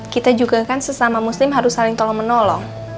kita juga kan sesama muslim harus saling tolong menolong